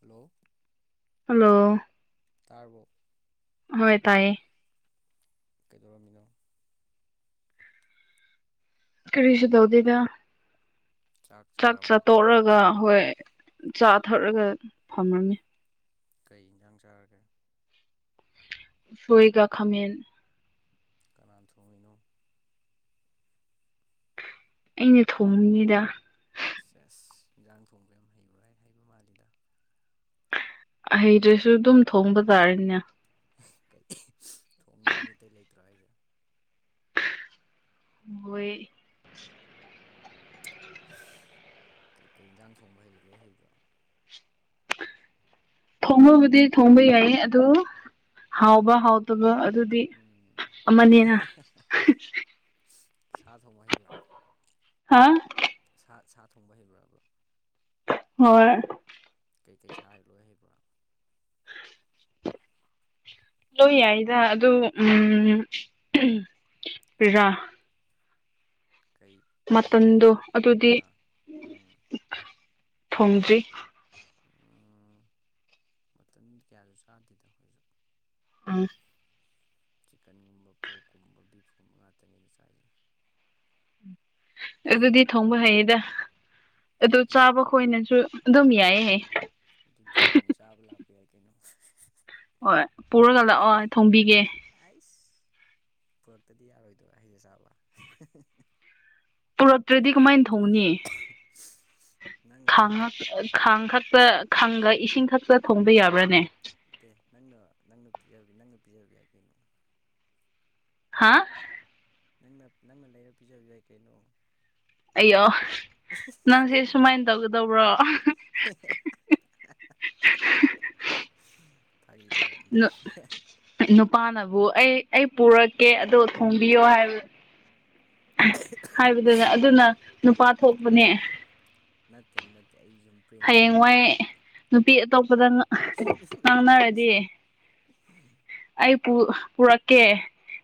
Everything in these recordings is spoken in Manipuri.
ꯍꯜꯂꯣ꯫ ꯍꯜꯂꯣ꯫ ꯇꯥꯔꯕ‌ꫭ꯫ ꯍꯣꯏ ꯇꯥꯏꯌꯦ꯫ ꯀꯩꯗꯧꯔꯝꯃꯤꯅꯣ꯫ ꯀꯔꯤꯁꯨ ꯇꯧꯗꯦꯗ ꯆꯥꯛ ꯆꯥꯠꯇꯣꯛꯔꯒ꯫ ꯍꯣꯏ ꯆꯥ ꯊꯛꯔꯒ ꯐꯝꯔꯝꯃꯤ꯫ ꯀꯩ ꯏꯟꯖꯥꯡ ꯆꯥꯔꯒꯦ꯫ ꯁꯣꯏꯒ ꯈꯥꯃꯦꯟ꯫ ꯀꯅꯥꯅ ꯊꯣꯡꯉꯤꯅꯣ꯫ ꯑꯩꯅ ꯊꯣꯡꯉꯤꯅꯤꯗ꯫ ꯁꯦꯁ ꯏꯟꯖꯥꯡ ꯊꯣꯡꯕ ꯌꯥꯝ ꯍꯩꯕ꯭ꯔ ꯍꯥꯏ ꯍꯩꯕ ꯃꯥꯜꯂꯤꯗ꯫ ꯍꯩꯗ꯭ꯔꯁꯨ ꯑꯗꯨꯝ ꯊꯣꯡꯕ ꯇꯥꯔꯦꯗꯅ꯫ ꯀꯩ ꯊꯣꯡꯅꯕ ꯃꯤ ꯑꯇꯩ ꯂꯩꯇ꯭ꯔꯥ ꯍꯥꯏꯁꯦ꯫ ꯃꯣꯏ꯫ ꯑꯁ ꯀꯩꯀꯩ ꯌꯦꯟꯖꯥꯡ ꯊꯣꯡꯕ ꯍꯩꯒꯦ ꯂꯣꯏ ꯍꯩꯕ꯭ꯔꯣ꯫ ꯊꯣꯡꯉꯕꯨꯗꯤ ꯊꯣꯡꯕ ꯌꯥꯏ ꯑꯗꯨ ꯍꯥꯎꯕ ꯍꯥꯎꯇꯕ ꯑꯗꯨ ꯁꯥ ꯊꯣꯛꯕ ꯍꯩꯕꯔꯥ ꯍꯥꯥ ꯁꯥ ꯁꯥ ꯊꯣꯡꯕ ꯍꯩꯕ꯭ꯔꫭꯕ ꯍꯣꯏ ꯀꯩꯀꯩ ꯁꯥ ꯂꯣꯏ ꯍꯩꯕ꯭ꯔꯥ ꯂꯣꯏ ꯌꯥꯏꯗ ꯑꯗꯨ ꯎꯝ ꯄꯤꯔꯥ ꯀꯩ ꯂꯣꯏ ꯍꯩ ꯃꯇꯟꯗꯣ ꯑꯗꯨꯗꯤ ꯑꯥ ꯎꯝ ꯊꯣꯡꯗ꯭ꯔꯤ ꯑꯝ ꯑꯗꯨꯗꯤ ꯀꯌꯥꯁꯨ ꯆꯥꯗꯦꯗ ꯑꯩꯈꯣꯏꯁꯨ ꯑꯝ ꯆꯤꯛꯀꯟꯒꯨꯝꯕ ꯄꯣꯛꯀꯨꯝꯕ ꯕꯤꯐꯀꯨꯝꯕ ꯉꯥꯛꯇꯅꯤꯗ ꯆꯥꯏꯁꯤ ꯑꯗꯨꯗꯤ ꯊꯣꯡꯕ ꯍꯩꯌꯦꯗ ꯑꯗꯨ ꯑꯗꯨꯗꯤ ꯆꯥꯕ ꯈꯣꯏꯅꯁꯨ ꯑꯗꯨꯝ ꯌꯥꯏꯌꯦ ꯍꯥꯢꯌꯦ ꯑꯗꯨꯗꯤ ꯅꯣꯡ ꯆꯥꯕ ꯂꯥꯛꯄ ꯌꯥꯏ ꯀꯩꯅꯣ ꯍꯣꯏ ꯄꯨꯔꯒ ꯂꯥꯛꯑꯣ ꯊꯣꯡꯕꯤꯒꯦ ꯑꯩꯁ ꯄꯨꯔꯛꯇꯗꯤ ꯌꯥꯔꯣꯏꯗꯔꯣ ꯍꯥꯢꯁꯦ ꯆꯥꯕ ꯄꯨꯔꯛꯇ꯭ꯔꯗꯤ ꯀꯃꯥꯏꯅ ꯊꯣꯡꯅꯤ [unintelligible] ꯈꯥꯡ ꯅꯪꯅ ꯈꯥꯡ ꯅꯪ ꯈꯛꯇ ꯈꯥꯡꯒ ꯏꯁꯤꯡ ꯈꯛꯇ ꯊꯣꯡꯕ ꯌꯥꯕ꯭ꯔꯥꯅꯦ ꯅꯠꯇꯦ ꯅꯪꯅ ꯅꯪꯅ ꯄꯤꯖ ꯅꯪꯅ ꯄꯤꯖꯕ ꯌꯥꯏ ꯀꯩꯅꯣ ꯍꯥꯥ ꯅꯪꯅ ꯅꯪꯅ ꯂꯩꯔ ꯄꯤꯖꯕ ꯌꯥꯏ ꯀꯩꯅꯣ ꯑꯌꯣ ꯅꯪꯁꯦ ꯁꯨꯃꯥꯏꯅ ꯇꯧꯒꯗꯧꯕ꯭ꯔꯣ ꯐꯥꯒꯤ ꯗꯧꯕꯅꯤꯗ ꯅꯨꯄꯥꯅꯕꯨ ꯑꯩ ꯑꯩ ꯄꯨꯔꯛꯀꯦ ꯑꯗꯣ ꯊꯣꯡꯕꯤꯌꯣ ꯍꯥꯏꯕ ꯍꯥꯏꯕꯗꯨꯅ ꯑꯗꯨꯅ ꯅꯨꯄꯥ ꯊꯣꯛꯄꯅꯦ ꯅꯠꯇꯦ ꯅꯠꯇꯦ ꯑꯩ ꯁꯨꯝ ꯄ꯭ꯔꯦꯡ ꯇꯧꯕꯅꯤ ꯍꯌꯦꯡꯋꯥꯏ ꯀꯩꯗꯧꯔꯒꯦ ꯅꯨꯄꯤ ꯑꯇꯣꯞꯄꯗ ꯉꯥꯡꯅꯔꯗꯤ ꯎ [inaudible] ꯑꯩ ꯄꯨꯔꯛꯀꯦ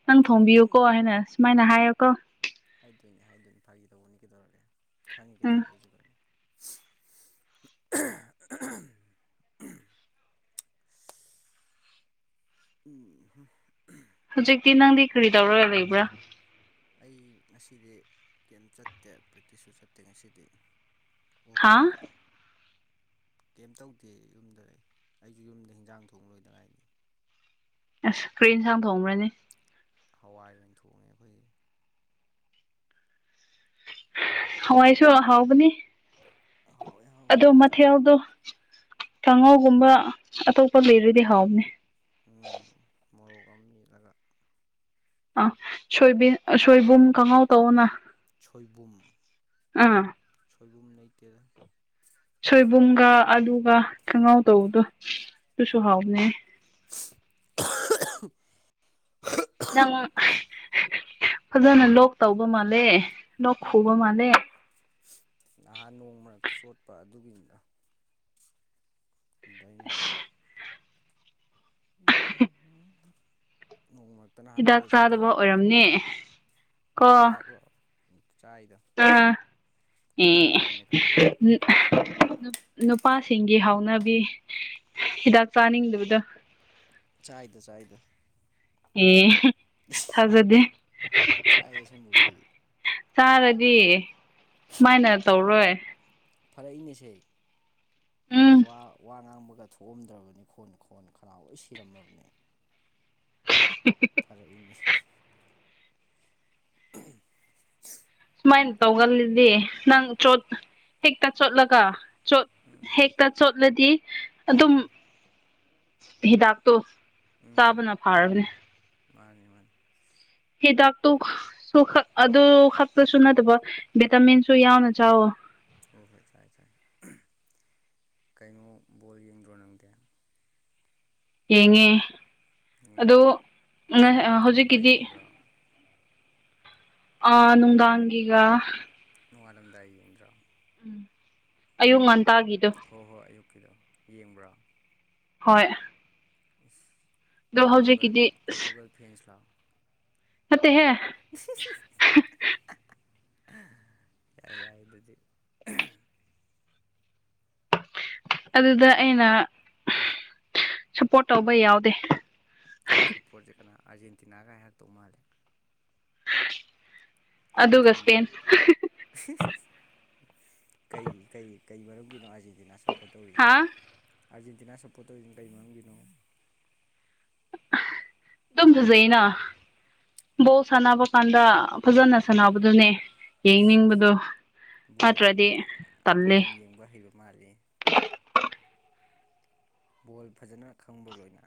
ꯅꯪ ꯊꯣꯡꯕꯤꯌꯨꯀꯣ ꯎꯝ ꯍꯥꯏꯅ ꯁꯨꯃꯥꯏꯅ ꯍꯥꯏꯌꯨꯀꯣ ꯍꯥꯏꯗꯣꯏꯅꯦ ꯍꯥꯏꯗꯣꯏꯅꯤ ꯐꯥꯒꯤ ꯇꯧꯕꯅꯤ ꯀꯩꯗꯧꯔꯛꯒꯦ ꯈꯪꯉꯤ ꯎꯝ ꯀꯩꯗꯧꯔꯒꯦ ꯑꯩꯁꯨ ꯂꯣꯏꯅ ꯎꯝ [inaudible] ꯍꯧꯖꯤꯛꯇꯤ ꯅꯪꯗꯤ ꯀꯔꯤ ꯇꯧꯔꯒ ꯂꯩꯕ꯭ꯔꯥ ꯑꯩ ꯉꯁꯤꯗꯤ ꯀꯦꯝ ꯆꯠꯇꯦ ꯄ꯭ꯔꯦꯛꯇꯤꯁꯁꯨ ꯆꯠꯇꯦ ꯉꯁꯤꯗꯤ ꯑꯣꯐ ꯍꯥ ꯂꯩꯌꯦ ꯀꯩꯝ ꯇꯧꯗꯦ ꯌꯨꯝꯗ ꯂꯩ ꯑꯩꯁꯨ ꯌꯨꯝꯗ ꯍꯤꯟꯖꯥꯡ ꯊꯣꯡ ꯂꯣꯏꯗ ꯉꯥꯏꯔꯤ ꯑꯁ ꯀ꯭ꯔꯤ ꯏꯟꯁꯥꯡ ꯊꯣꯡꯕ꯭ꯔꯅꯦ ꯍꯋꯥꯏ ꯑꯣꯏꯅ ꯊꯣꯡꯉꯦ ꯑꯩꯈꯣꯏꯗꯤ ꯍꯋꯥꯏꯁꯨ ꯍꯥꯎꯕꯅꯦ ꯍꯥꯎꯋꯦ ꯍꯥꯎꯋꯦ ꯑꯗꯣ ꯆꯝ ꯃꯊꯦꯜꯗꯣ ꯀꯥꯡꯉꯧꯒꯨꯝꯕ ꯑꯇꯣꯞꯄ ꯂꯩꯔꯗꯤ ꯍꯥꯎꯕꯅꯦ ꯎꯝ ꯃꯣꯔꯣꯛ ꯑꯃ ꯃꯦꯠꯂꯒ ꯑꯥ ꯁꯣꯏꯕꯤ ꯁꯣꯏꯕꯨꯝ ꯈꯪꯍꯥꯎ ꯇꯧꯑꯣꯅ ꯁꯣꯏꯕꯨꯝ ꯑꯥꯝ ꯁꯣꯏꯕꯨꯝ ꯂꯩꯇꯦꯗ ꯁꯣꯏꯕꯨꯝꯒ ꯑꯂꯨꯒ ꯀꯪꯉꯧ ꯇꯧꯕꯗꯨ ꯑꯗꯨꯁꯨ ꯎꯝ ꯍꯥꯎꯅꯦ ꯅꯪ ꯐꯖꯅ ꯂꯣꯛ ꯇꯧꯕ ꯃꯥꯜꯂꯦ ꯂꯣꯛ ꯈꯨꯕ ꯎꯝ ꯃꯥꯜꯂꯦ ꯅꯍꯥꯟ ꯅꯣꯡ ꯃꯔꯛꯇ ꯆꯣꯠꯄ ꯑꯗꯨꯒꯤꯅꯤꯗ ꯗꯟ [inaudible] ꯎꯝ ꯅꯣꯡꯃ ꯇ ꯅꯍꯥꯟ ꯍꯤꯗꯥꯛ ꯕꯣꯜ ꯁꯥꯟꯅꯕ ꯆꯥꯗꯕ ꯑꯣꯏꯔꯝꯅꯤ ꯀꯣ ꯍꯤꯗꯥꯛꯂꯣ ꯆꯥꯏꯗ ꯑꯥ ꯑꯦ ꯐꯔꯛꯑꯕꯅꯦ ꯈꯔ ꯅꯨꯄꯥꯁꯤꯡꯒꯤ ꯍꯥꯎꯅꯕꯤ ꯍꯤꯗꯥꯛ ꯆꯥꯅꯤꯡꯗꯕꯗ ꯆꯥꯏꯗ ꯆꯥꯏꯗ ꯑꯦ ꯊꯥꯖꯗꯦ ꯆꯥꯏ ꯑꯁꯦꯡꯕꯒꯤ [unintelligible] ꯆꯥꯔꯗꯤ ꯁꯨꯃꯥꯏꯅ ꯇꯧꯔꯣꯏ ꯐꯔꯛꯏꯅꯦꯁꯦ ꯎꯝ ꯈ꯭ꯋꯥ ꯋꯥ ꯉꯥꯡꯕꯒ ꯊꯣꯛꯑꯝꯗ꯭ꯔꯕꯅꯤ ꯈꯣꯟ ꯈꯣꯟ ꯈꯔꯥꯎ ꯂꯣꯏ ꯁꯤꯔꯝꯃꯕꯅꯤ [unintelligible] ꯐꯔꯛꯏꯅꯦ [unintelligible] ꯁꯨꯃꯥꯏꯅ ꯇꯧꯒꯜꯂꯤꯗꯤ ꯅꯪ ꯆꯣꯠ ꯍꯦꯛꯇ ꯆꯣꯠꯂꯒ ꯆꯣꯠ ꯎꯝ ꯍꯦꯛꯇ ꯆꯣꯠꯂꯗꯤ ꯑꯗꯨꯝ ꯎꯝ ꯍꯤꯗꯥꯛꯇꯣ ꯎꯝ ꯆꯥꯕꯅ ꯐꯥꯔꯕꯅꯦ ꯃꯥꯅꯤ ꯃꯥꯅꯤ ꯍꯤꯗꯥꯛꯇꯨ ꯁꯛ ꯑꯗꯨ ꯈꯛꯇꯁꯨ ꯅꯠꯇꯕ ꯚꯤꯇꯥꯃꯤꯟꯁꯨ ꯌꯥꯎꯅ ꯆꯥꯎꯋꯣ ꯍꯣꯏ ꯍꯣꯏ ꯆꯥꯏ ꯆꯥꯏ ꯀꯩꯅꯣ ꯕꯣꯜ ꯌꯦꯡꯗ꯭ꯔꯣ ꯅꯪꯗꯦ ꯌꯦꯡꯉꯦ ꯑꯗꯣ ꯉꯁꯥꯏ ꯅꯣꯡꯉꯥꯜꯂꯝꯗꯥꯏ ꯍꯧꯖꯤꯛꯀꯤꯗꯤ ꯌꯦꯡꯕ꯭ꯔꯣ ꯑꯥ ꯅꯨꯡꯗꯥꯡꯒꯤꯒ ꯅꯣꯡꯉꯥꯜꯂꯝꯗꯥꯏ ꯌꯦꯡꯗ꯭ꯔꯥ ꯑꯌꯨꯛ ꯉꯟꯇꯥꯒꯤꯗꯣ ꯍꯣꯏ ꯍꯣꯏ ꯑꯌꯨꯛꯀꯤꯗꯣ ꯌꯦꯡꯕ꯭ꯔꯥ ꯍꯣꯏ ꯑꯗꯣ ꯄꯣꯔꯇꯨꯒꯜ ꯍꯧꯖꯤꯛꯀꯤꯗꯤ ꯄꯣꯔꯇꯨꯒꯜ ꯐꯦꯟꯁ ꯂꯣ ꯅꯠꯇꯦ ꯍꯦ [unintelligible] ꯌꯥꯏ ꯌꯥꯏ ꯑꯗꯨꯗꯤ ꯑꯗꯨꯗ ꯑꯩꯅ ꯁꯄꯣꯔꯠ ꯇꯧꯕ ꯌꯥꯎꯗꯦ ꯅꯪ ꯁꯞꯄꯣꯔꯠꯁꯦ ꯀꯅꯥ ꯑꯥꯔꯖꯦꯟꯇꯤꯅꯥꯒꯥ ꯍꯥꯢꯔꯛꯇꯧ ꯃꯥꯜꯂꯦ ꯑꯗꯨꯒ ꯆꯨꯝꯕ꯭ꯔꯥ ꯁ꯭ꯄꯦꯟ [unintelligible] ꯀꯩ ꯀꯩ ꯀꯩ ꯃꯔꯝꯒꯤꯅꯣ ꯑꯔꯖꯦꯟꯇꯤꯅ ꯁꯞꯄꯣꯔꯠ ꯍꯥ ꯇꯧꯔꯤꯁꯤꯅ ꯑꯔꯖꯦꯟꯇꯤꯅꯥ ꯁꯞꯄꯣꯔꯠ ꯇꯧꯔꯤꯁꯤꯅ ꯀꯔꯤ ꯃꯔꯝꯒꯤꯅꯣ ꯑꯗꯨꯝ ꯐꯖꯩꯩꯅ ꯕꯣꯜ ꯁꯥꯟꯅꯕ ꯀꯥꯟꯗ ꯐꯖꯅ ꯎꯝ ꯁꯥꯟꯅꯕꯗꯨꯅꯦ ꯌꯦꯡꯅꯤꯡꯕꯗꯣ ꯅꯠꯇ꯭ꯔꯗꯤ ꯑꯣꯢꯔꯝꯅꯤ ꯕꯣꯜ ꯇꯜꯂꯦ ꯌꯥꯝ ꯌꯦꯡꯕ ꯍꯩꯕ ꯃꯥꯜꯂꯤ ꯕꯣꯜ ꯐꯖꯅ ꯈꯪꯕ꯭ꯔꯣ ꯂꯣꯏꯅ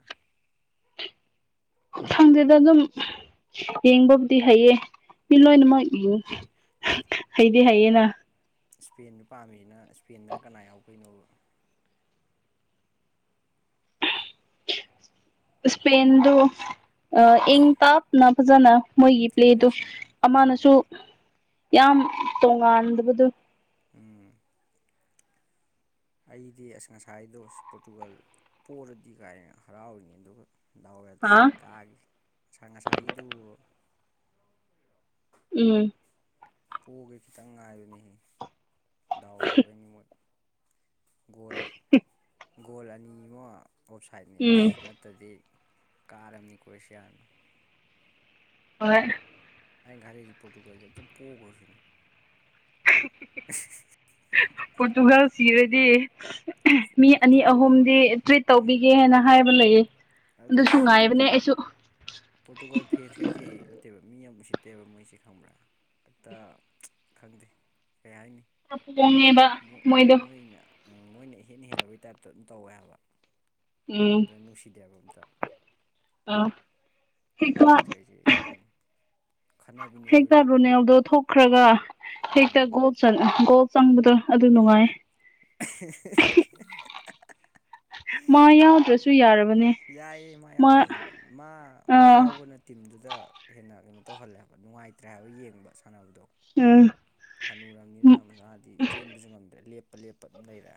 ꯈꯪꯗꯦꯗ ꯑꯗꯨꯝ ꯌꯦꯡꯕꯕꯨꯗꯤ ꯍꯩꯌꯦ ꯃꯤ ꯂꯣꯏꯅꯃꯛ ꯎꯝ ꯌꯦꯡꯉ ꯍꯩꯗꯤ ꯍꯩꯌꯦꯅ ꯏꯁꯄꯦꯟꯗꯨ ꯄꯥꯝꯃꯤꯅ ꯏꯁꯄꯦꯟꯗꯅ ꯀꯅꯥ ꯌꯥꯎꯕꯩꯅꯣ ꯏꯁꯄꯦꯟꯗꯨ ꯏꯪ ꯇꯞꯅ ꯐꯖꯅ ꯃꯣꯏꯒꯤ ꯁꯥꯟꯅꯩ ꯄ꯭ꯂꯦꯗꯨ ꯁꯥꯟꯅꯩ ꯑꯃꯅꯁꯨ ꯎꯝ ꯌꯥꯝ ꯇꯣꯉꯥꯟꯗꯕꯗꯨꯣ ꯎꯝ ꯑꯩꯗꯤ ꯑꯁ ꯉꯁꯥꯏꯗꯣ ꯄꯣꯔꯇꯨꯒꯜ ꯄꯣꯂꯗꯤ ꯀꯥꯏꯅ ꯍꯔꯥꯎꯔꯤꯅꯤ ꯑꯗꯨꯒ ꯂꯧꯔꯗꯤ ꯍꯥ ꯀꯥꯈꯤ ꯉꯁꯥ ꯉꯁꯥꯏꯒꯤꯗꯨ ꯎꯝ ꯄꯣꯒꯦ ꯈꯤꯇꯪ ꯉꯥꯏꯕꯅꯤꯍꯦ ꯗꯥꯎ ꯌꯥꯕꯩꯅꯤ ꯃꯣꯢ ꯒꯣꯜ ꯒꯣꯜ ꯑꯅꯤ ꯑꯃ ꯑꯥꯎꯞꯁꯥꯏꯠꯅꯤ ꯎꯝ ꯑꯁ ꯅꯠ ꯇꯗꯤ ꯀꯥꯔꯝꯅꯤ ꯀ꯭ꯔꯣꯁꯤꯌꯥꯅ ꯍꯣꯢ ꯑꯩꯅ ꯈꯜꯂꯤꯁꯤ ꯄꯣꯇꯨꯒꯜ ꯁꯤ ꯑꯝꯇ ꯄꯣꯒ꯭ꯔꯣꯁꯤꯅꯤ ꯄꯣꯔꯇꯨꯒꯜ ꯁꯤꯔꯗꯤ ꯃꯤ ꯑꯅꯤ ꯄꯣꯔꯇꯨꯒꯜ ꯑꯍꯨꯝꯗꯤ ꯇ꯭ꯔꯤꯠ ꯎꯝ ꯇꯧꯕꯤꯒꯦ ꯍꯥꯏꯅ ꯍꯥꯏꯕ ꯂꯩꯌꯦ ꯑꯗꯨꯁꯨ ꯑꯁ ꯉꯥꯏꯕꯅꯦ ꯑꯩꯁꯨ ꯄꯣꯔꯇꯨꯒꯜ ꯐꯦꯟꯁ ꯈꯩꯁꯦ ꯅꯠꯇꯦꯕ ꯃꯤ ꯌꯥꯝ ꯎꯁꯤꯠꯇꯦꯕ ꯃꯣꯏꯁꯦ ꯈꯪꯕ꯭ꯔꯥ ꯍꯦꯛꯇ ꯈꯪꯗꯦ ꯀꯩ ꯍꯥꯏꯅꯤ [unintelligible] ꯉꯦꯕ ꯑꯃꯨꯛ ꯃꯣꯏꯅ ꯑ ꯃꯣꯏꯅ ꯏꯍꯦꯟꯅ ꯍꯦꯜꯂꯕꯩ ꯇꯥꯏꯞꯇ ꯑꯗꯨꯝ ꯇꯧꯋꯦ ꯍꯥꯏꯕ ꯎꯝ ꯑꯗꯨ ꯅꯨꯡꯁꯤꯗꯦ ꯍꯥꯏꯕ ꯑꯝꯇ ꯑꯥ ꯃꯣꯏ ꯍꯦꯛꯇ ꯄꯦꯟꯁ ꯈꯩꯁꯦ ꯑꯗꯨꯅꯤ ꯈꯠꯅꯕꯤꯅꯦ ꯑꯩꯈꯣꯏꯒ ꯑꯗꯨꯝ [unintelligible] ꯊꯣꯛ ꯈ꯭ꯔꯒ ꯍꯦꯛꯇ ꯎꯝ ꯒꯣꯜ ꯆꯟ ꯒꯣꯜ ꯆꯪꯕꯗꯣ ꯑꯗꯨ ꯅꯨꯡꯉꯥꯏꯌꯦ [unintelligible] ꯃꯥ ꯌꯥꯎꯗ꯭ꯔꯁꯨ ꯌꯥꯔꯕꯅꯦ ꯌꯥꯏꯌꯦ ꯃꯥ ꯌꯥꯎꯗ꯭ꯔꯁꯨ ꯃꯥ ꯑ ꯃꯥ ꯌꯥꯎꯕꯅꯠ__ ꯇꯤꯝꯗꯨꯗ ꯍꯦꯟꯅ ꯀꯩꯅꯣ ꯇꯧꯍꯜꯂꯦ ꯍꯥꯏꯕ ꯅꯨꯡꯉꯥꯏꯇ꯭ꯔꯦ ꯍꯥꯏꯕ ꯌꯦꯡꯕ ꯁꯥꯟꯅꯕꯗꯣ ꯎꯝ ꯍꯅꯨꯔꯝꯅꯤꯅ ꯉꯥꯗꯤ ꯆꯦꯟꯕꯁꯨ ꯉꯝꯗ꯭ꯔꯦ ꯂꯦꯞꯄ ꯂꯦꯞꯄ ꯑꯗꯨꯝ ꯂꯩꯔꯦ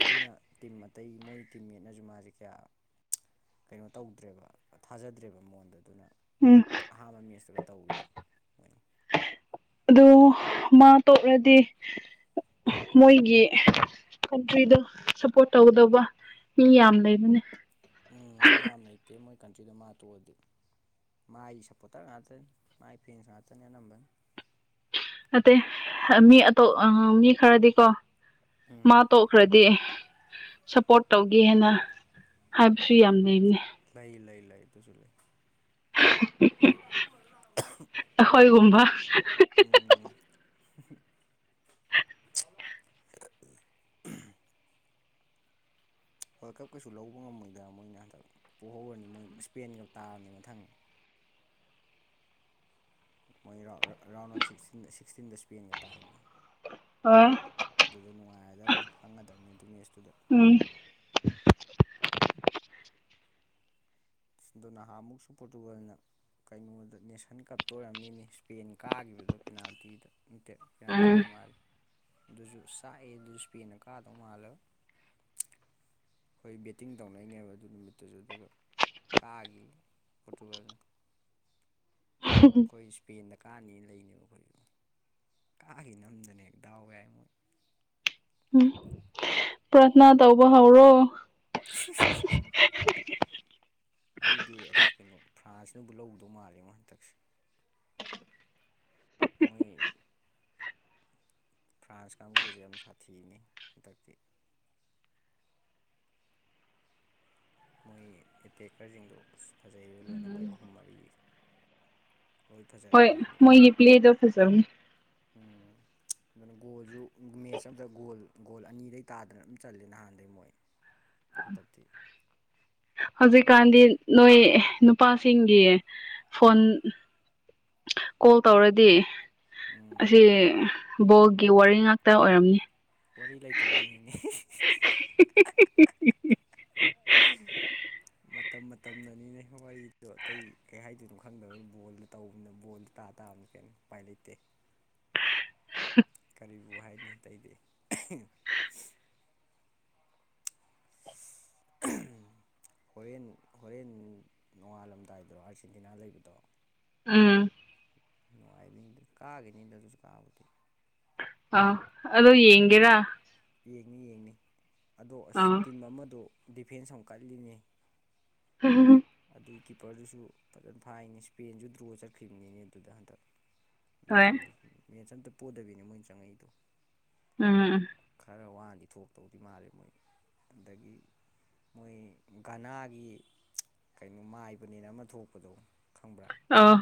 ꯑꯗꯨꯅ ꯇꯤꯝ ꯑꯇꯩ ꯃꯣꯏ ꯇꯤꯝꯒꯩꯅꯖꯨ ꯃꯥꯖꯦ ꯀꯌꯥ ꯀꯩꯅꯣ ꯇꯧꯗ꯭ꯔꯦꯕ ꯑ ꯊꯥꯖꯗ꯭ꯔꯦꯕ ꯃꯉꯣꯟꯗ ꯑꯗꯨꯅ ꯎꯝ ꯑꯍꯥꯟꯕ ꯃꯦꯠꯁꯇꯒ ꯇꯧꯔꯤꯗꯣ ꯃꯣꯏꯅ ꯑꯗꯨ ꯃꯥ ꯇꯣꯛꯔꯗꯤ ꯃꯣꯏꯒꯤ ꯀꯟꯇ꯭ꯔꯤꯗꯣ ꯁꯞꯄꯣꯔꯠ ꯇꯧꯒꯗꯧꯕ ꯃꯤ ꯌꯥꯝ ꯂꯩꯕꯅꯦ ꯎꯝ ꯃꯤ ꯌꯥꯝ ꯂꯩꯇꯦ ꯃꯣꯏ ꯀꯟꯇ꯭ꯔꯤꯗ ꯃꯥ ꯇꯣꯛꯑꯗꯤ ꯃꯥꯏ ꯁꯞꯄꯣꯔꯇꯔ ꯉꯥꯛꯇꯅꯤ ꯃꯥꯏ ꯐꯦꯟꯁ ꯉꯥꯇꯅꯤ ꯑꯅꯝꯕꯅ ꯅꯠꯇꯦ ꯍꯑ ꯃꯤ ꯑꯇꯣꯞ ꯑ ꯃꯤ ꯈꯔꯗꯤꯀꯣ ꯃꯥ ꯎꯝ ꯇꯣꯛꯈ꯭ꯔꯗꯤ ꯁꯞꯄꯣꯔꯠ ꯇꯧꯒꯦ ꯍꯥꯏꯅ ꯍꯥꯏꯕꯁꯨ ꯌꯥꯝ ꯂꯩꯕꯅꯤ ꯂꯩ ꯂꯩ ꯂꯩ ꯑꯗꯨꯁꯨ ꯂꯩ [unintelligible] ꯑꯈꯣꯏꯒꯨꯝꯕ ꯎꯝ [unintelligible] [unintelligible] ꯋꯥꯔꯜ ꯀꯞ ꯀꯩꯁꯨ ꯂꯧꯕ ꯉꯝꯃꯣꯏꯗ ꯃꯣꯏꯅ ꯍꯟꯗꯛ ꯄꯣꯍꯧꯔꯅꯤ ꯃꯣꯏ ꯁ꯭ꯄꯦꯟꯒ ꯇꯥꯕꯅꯦ ꯃꯊꯪ ꯃꯣꯏ ꯔꯥꯎꯟ ꯔ ꯔꯥꯎꯟ ꯑꯣꯐ ꯁꯤꯛꯁꯇꯤꯟꯗ ꯁꯤꯛꯁꯇꯤꯟꯗ ꯁ꯭ꯄꯦꯟꯒ ꯇꯥꯏꯅꯤ ꯑꯣ ꯑꯗꯨꯗ ꯅꯨꯡꯉꯥꯏꯔꯗꯕꯅꯤ ꯈꯪꯉꯗꯕꯅꯤ ꯑꯗꯨ ꯃꯦꯠꯁꯇꯨꯗ ꯎꯝ ꯏꯁ ꯑꯗꯨ ꯅꯍꯥꯃꯨꯛꯁꯨ ꯄꯣꯔꯇꯨꯒꯜꯅ ꯀꯩꯅꯣꯗ ꯅꯦꯁꯟ ꯀꯞꯇ ꯑꯣꯏꯔꯝꯅꯤꯅꯦ ꯁ꯭ꯄꯦꯟ ꯀꯥꯒꯤꯕꯗ ꯄꯦꯅꯥꯜꯇꯤꯗ ꯅꯠꯇꯦ ꯄꯦꯅꯥꯜꯇꯤꯗ ꯃꯥꯜꯂꯤ ꯑꯗꯨꯖꯨ ꯆꯥꯛꯑꯦ ꯑꯗꯨꯖꯨ ꯁ꯭ꯄꯦꯟꯅ ꯀꯥꯗꯧ ꯃꯥꯜꯂꯒ ꯑꯈꯣꯏ ꯕꯦꯇꯤꯡ ꯇꯧꯅꯩꯅꯦꯕ ꯑꯗꯨ ꯅꯨꯃꯤꯠꯇꯨꯁꯨ ꯑꯗꯨꯒ ꯀꯥꯒꯤ ꯄꯣꯔꯇꯨꯒꯜꯅ ꯑꯩꯈꯣꯏ ꯁ꯭ꯄꯦꯟꯗ ꯀꯥꯅꯤꯅ ꯂꯩꯅꯦꯕ ꯑꯩꯈꯣꯏꯁꯨ ꯀꯥꯒꯤ ꯅꯝꯗꯅ ꯍꯦꯛ ꯗꯥꯎ ꯌꯥꯏꯌꯦ ꯃꯣꯏ ꯎꯝ ꯄ꯭ꯔꯊꯅꯥ ꯇꯧꯕ ꯍꯧꯔꯣ [unintelligible] ꯑꯩꯗꯤ ꯑꯁ ꯀꯩꯅꯣ ꯐ꯭ꯔꯥꯟꯁꯅꯕꯨ ꯂꯧꯒꯤꯗꯧ ꯃꯥꯜꯂꯣꯉꯣ ꯍꯟꯇꯛꯁꯦ ꯃꯣꯏꯌꯦ__ ꯐ꯭ꯔꯥꯟꯁ ꯀꯥꯡꯕꯨꯒꯩꯁꯦ ꯌꯥꯝ ꯁꯥꯊꯤꯕꯅꯤ ꯍꯟꯇꯛꯇꯤ ꯃꯣꯏ ꯑꯦꯇꯦꯛꯀꯔꯁꯤꯡꯗꯨ ꯑꯁ ꯐꯖꯩꯕꯣ ꯂꯣꯏꯅ ꯎꯝ ꯃꯣꯏ ꯑꯍꯨꯝ ꯃꯔꯤ ꯂꯣꯏ ꯐꯖꯔꯦ ꯍꯣꯏ ꯃꯣꯏ ꯃꯤ ꯃꯣꯏꯒꯤ ꯄ꯭ꯂꯦꯗꯣ ꯐꯖꯕꯅꯤ ꯎꯝ ꯑꯗꯨꯅ ꯒꯣꯜꯖꯨ ꯃꯦꯠꯆ ꯑꯝꯗ ꯒꯣꯜ ꯒꯣꯜ ꯑꯅꯤꯗꯩ ꯇꯥꯗꯅ ꯑꯃꯝ ꯆꯜꯂꯦ ꯅꯍꯥꯟꯗꯩ ꯃꯣꯏ ꯍꯟꯇꯛꯇꯤ ꯑꯗꯨꯅ ꯍꯧꯖꯤꯛꯀꯥꯟꯗꯤ ꯅꯣꯏ ꯅꯨꯄꯥꯁꯤꯡꯒꯤ ꯐꯣꯟ ꯀꯣꯜ ꯇꯧꯔꯗꯤ ꯎꯝ ꯑꯁꯤ ꯕꯣꯒꯤ ꯋꯥꯔꯤ ꯉꯥꯛꯇ ꯑꯣꯏꯔꯝꯅꯤ ꯋꯥꯔꯤ ꯂꯩꯇꯕꯩꯅꯤꯅꯦ [unintelligible] [unintelligible] [unintelligible] ꯃꯇꯝ ꯃꯇꯝꯅꯅꯤꯅꯦ ꯋꯥꯔꯤꯗꯣ ꯑꯇꯩ ꯀꯩ ꯍꯥꯏꯗꯣꯏꯅꯣ ꯈꯪꯗꯕꯅꯤ ꯕꯣꯜꯗ ꯇꯧꯕꯅꯤꯅ ꯕꯣꯜ ꯇꯥ ꯇꯥꯕꯅꯦ ꯀꯩꯅꯣ ꯎꯄꯥꯏ ꯂꯩꯠꯇꯦ [unintelligible] ꯀꯔꯤꯕꯨ ꯍꯥꯏꯅꯤ ꯑꯇꯩꯗꯤ [unintelligible] ꯍꯣꯔꯦꯟ ꯍꯣꯔꯦꯟ ꯅꯣꯡꯉꯥꯜꯂꯝꯗꯥꯏꯗ꯭ꯔꯣ ꯑꯥꯔꯖꯦꯟꯇꯤꯅꯥ ꯂꯩꯕꯗꯣ ꯎꯝ ꯅꯨꯡꯉꯥꯏꯅꯤꯗ ꯀꯥꯒꯤꯅꯤꯗ ꯑꯗꯨꯖꯨ ꯀꯥꯕꯨꯗꯤ ꯑꯥ ꯑꯗꯣ ꯑꯗꯨ ꯌꯦꯡꯒꯦꯔꯥ ꯌꯦꯡꯅꯤ ꯌꯦꯡꯅꯤ ꯑꯗꯣ ꯑꯁ ꯑꯥ ꯇꯤꯝ ꯑꯃꯗꯣ ꯗꯤꯐꯦꯟꯁ ꯌꯥꯝ ꯀꯜꯂꯤꯅꯦ [unintelligible] ꯑꯗꯨ ꯀꯤꯞꯄꯔꯗꯨꯁꯨ ꯐꯖꯟ ꯐꯥꯏꯅꯦ ꯏꯁꯄꯦꯟꯁꯨ ꯗ꯭ꯔꯣ ꯆꯠꯈꯔꯤꯅꯤꯅꯦ ꯑꯗꯨ ꯍꯟꯗꯛ ꯑꯗꯨ ꯍꯣꯏ ꯇꯤꯝꯗꯣ ꯃꯦꯠꯁ ꯑꯝꯇ ꯄꯣꯗꯕꯤꯅꯦ ꯃꯣꯏꯅ ꯆꯪꯉꯛꯏꯗꯣ ꯎꯝ ꯈꯔ ꯋꯥꯅꯗꯤ ꯊꯣꯛꯇꯧꯗꯤ ꯃꯥꯂꯦ ꯃꯣꯏ ꯑꯗꯒꯤ ꯃꯣꯏ ꯒꯅꯥꯒꯤ ꯀꯩꯅꯣ ꯃꯥꯏꯕꯅꯦꯅ ꯑꯃ ꯊꯣꯛꯄꯗꯣ ꯈꯪꯕ꯭ꯔꯥ ꯑꯥ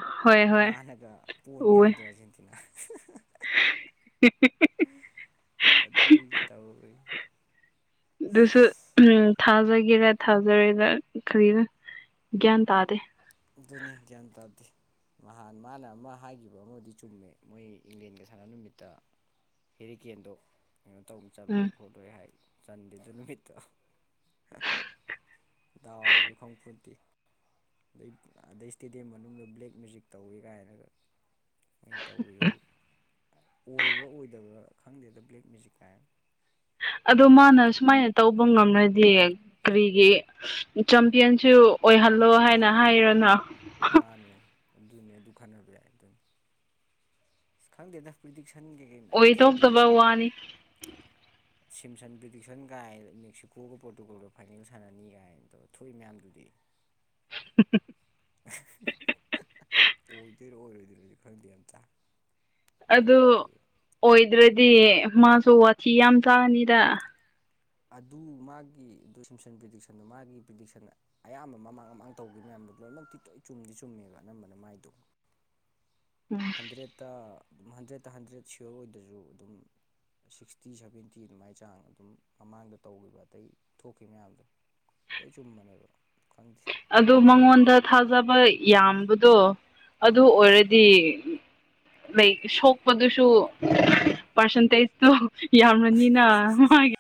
ꯃꯥꯅꯒ ꯄꯣꯅꯤ ꯍꯥꯏꯗꯣ ꯑꯥꯔꯖꯦꯟꯇꯤꯅꯥ [unintelligible] ꯑꯗꯨ ꯑꯣꯏꯅ ꯇꯧꯔꯣ ꯑꯗꯨꯁꯨ ꯎꯝ ꯊꯥꯖꯒꯦꯔ ꯊꯥꯖꯔꯣꯏꯔ ꯀꯔꯤꯔꯥ ꯒ꯭ꯌꯥꯟ ꯇꯥꯗꯦ ꯑꯗꯨꯅꯦ ꯒ꯭ꯌꯥꯟ ꯇꯥꯗꯦ ꯅꯍꯥꯟ ꯃꯥꯅ ꯑꯃ ꯍꯥꯏꯒꯤꯕ ꯑꯃꯗꯤ ꯆꯨꯝꯃꯦ ꯃꯣꯏ ꯏꯪꯂꯦꯟꯒ ꯁꯥꯟꯅ ꯅꯨꯃꯤꯠꯇ ꯍꯦꯔꯤꯀꯦꯟꯗꯣ ꯀꯩꯅꯣ ꯇꯧꯅ ꯎꯝ ꯆꯜꯂꯣꯏ ꯈꯣꯠꯂꯣꯏ ꯍꯥꯏ ꯆꯟꯗꯦ ꯑꯗꯨ ꯅꯨꯃꯤꯠꯇꯣ ꯗꯥꯎꯔꯖꯨ ꯈꯡꯄꯣꯟꯇꯦ ꯑꯗꯩ ꯑꯗꯩ ꯏꯁꯇꯦꯗꯤꯌꯝ ꯃꯅꯨꯡꯗ ꯕ꯭ꯂꯦꯛ ꯃꯦꯖꯤꯛ ꯇꯧꯋꯦ ꯀꯥꯏꯅꯒ ꯑꯩꯅ ꯇꯧꯋꯦꯕꯨ ꯑꯣꯏꯕ꯭ꯔꯥ ꯑꯣꯏꯗꯕ꯭ꯔꯥ ꯈꯪꯗꯦꯗ ꯕ꯭ꯂꯦꯛ ꯃꯦꯖꯤꯛ ꯀꯥꯏꯅ ꯑꯗꯣ ꯃꯥꯅ ꯇꯧꯋꯤꯔ ꯇꯧꯗꯦ ꯁꯨꯃꯥꯏꯅ ꯇꯧꯕ ꯉꯝꯂꯗꯤ ꯀꯔꯤꯒꯤ ꯆꯝꯄꯤꯌꯟꯁꯨ ꯑꯣꯏꯍꯜꯂꯣ ꯍꯥꯏꯅ ꯃꯥꯅꯦ ꯍꯥꯏꯌꯣꯅ ꯃꯥꯅꯦ ꯑꯗꯨꯅꯦ ꯑꯗꯨ ꯈꯟꯅꯕ ꯌꯥꯏ ꯑꯗꯨꯅꯤ ꯑꯁ ꯈꯪꯗꯦꯗ ꯄ꯭ꯔꯤꯗꯤꯛꯁꯟ ꯀꯩꯀꯩ ꯃꯌꯥꯝ ꯊꯣꯛꯏꯗꯨꯗꯤ ꯑꯣꯏꯊꯣꯛꯇꯕ ꯋꯥꯅꯤ ꯁꯤꯝꯁꯟ ꯄꯔꯤꯗꯤꯛꯁꯟꯒꯥꯏ ꯃꯦꯛꯁꯤꯀꯣꯒ ꯄꯣꯔꯇꯨꯒꯜꯒ ꯐꯥꯏꯅꯦꯜ ꯁꯥꯟꯅꯅꯤ ꯀꯥꯏꯅ ꯇꯧ ꯊꯣꯛꯏ ꯃꯌꯥꯝꯗꯨꯗꯤ [unintelligible] ꯑꯣꯏꯗꯣꯏꯔꯣ ꯑꯣꯏꯔꯣꯏꯗꯣꯏꯔꯁꯨ ꯈꯪꯗꯦ ꯑꯝꯇ ꯒ꯭ꯌꯥꯟ ꯑꯗꯨ ꯇꯥꯗꯦ ꯑꯣꯏꯗ꯭ꯔꯗꯤ ꯃꯥꯁꯨ ꯋꯥꯊꯤ ꯌꯥꯝ ꯆꯥꯅꯤꯗ ꯑꯗꯨ ꯃꯥꯒꯤ ꯗꯨ ꯁꯝꯁꯟ ꯄ꯭ꯔꯤꯗꯤꯛꯁꯟꯗꯣ ꯃꯥꯒꯤ ꯄ꯭ꯔꯤꯗꯤꯛꯁꯟ ꯑꯌꯥꯝꯕ ꯃꯃꯥꯡ ꯃꯃꯥꯡ ꯇꯧꯒꯤꯕ ꯃꯌꯥꯝꯗꯣ ꯂꯣꯏꯃꯛꯇꯤ ꯇꯣꯏ ꯆꯨꯝꯗꯤ ꯆꯨꯝꯃꯦꯕ ꯑꯅꯝꯕꯅ ꯃꯥꯏꯗꯣ ꯍꯟꯗ꯭ꯔꯦꯠꯇ ꯑꯗꯨꯝ ꯍꯟꯗ꯭ꯔꯦꯠꯇ ꯍꯟꯗ꯭ꯔꯦꯠ ꯁꯤꯌꯣꯔ ꯑꯣꯏꯗ꯭ꯔꯁꯨ ꯑꯗꯨꯝ ꯁꯤꯛꯁꯇꯤ ꯁꯚꯦꯟꯇꯤ ꯑꯗꯨꯃꯥꯏ ꯆꯥꯡ ꯑꯗꯨꯝ ꯃꯃꯥꯡꯗ ꯇꯧꯒꯤꯕ ꯑꯇꯩ ꯊꯣꯛꯈꯤ ꯃꯌꯥꯝꯗꯣ ꯂꯣꯏ ꯆꯨꯝꯕꯅꯦꯕ꯫ ꯈꯪꯗꯦ ꯑꯗꯨ ꯃꯉꯣꯟꯗ ꯕꯣꯜꯒꯤꯗꯨꯗꯤ ꯊꯥꯖꯕꯩ ꯌꯥꯝꯕꯗꯣ ꯑꯗꯨ ꯑꯥ ꯑꯣꯏꯔꯗꯤ ꯂꯥꯏꯛ ꯁꯣꯛꯄꯗꯨꯁꯨ ꯄꯔꯁꯦꯟꯇꯦꯖꯇꯣ ꯌꯥꯝꯔꯅꯤꯅ ꯃꯥꯒꯤ